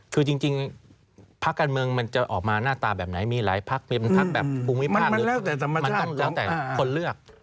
คือจริงพักการเมืองมันจะออกมาหน้าตาแบบไหนมีหลายพักเป็นพักแบบภูมิภาคหรือมันต้องแล้วแต่คนเลือก